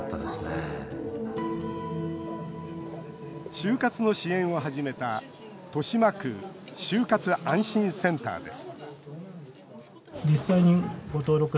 終活の支援を始めた、豊島区終活あんしんセンターです